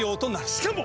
しかも！